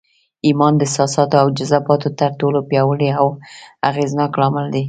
ايمان د احساساتو او جذباتو تر ټولو پياوړی او اغېزناک لامل دی.